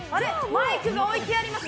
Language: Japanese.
マイクが置いてあります。